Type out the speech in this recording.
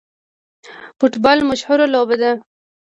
فوټبال مشهوره لوبه ده